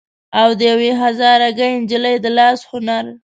او د يوې هزاره ګۍ نجلۍ د لاس هنر